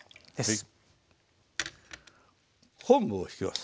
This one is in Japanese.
昆布を引きます。